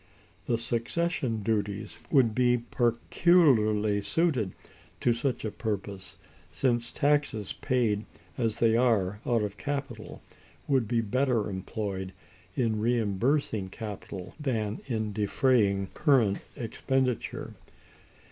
The succession duties would be peculiarly suited to such a purpose, since taxes paid as they are, out of capital, would be better employed in reimbursing capital than in defraying current expenditure.